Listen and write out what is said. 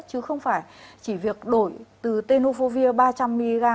chứ không phải chỉ việc đổi từ tenovovir ba trăm linh mg